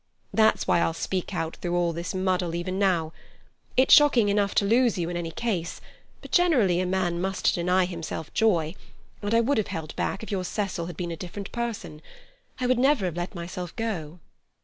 That's why I'll speak out through all this muddle even now. It's shocking enough to lose you in any case, but generally a man must deny himself joy, and I would have held back if your Cecil had been a different person. I would never have let myself go.